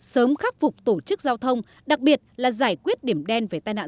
sớm khắc phục tổ chức giao thông đặc biệt là giải quyết điểm đen về tai nạn